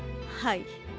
はい。